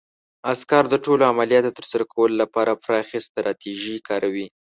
عسکر د ټولو عملیاتو د ترسره کولو لپاره پراخې ستراتیژۍ کاروي.